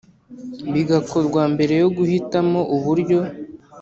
Bigakorwa mbere yo guhitamo uburyo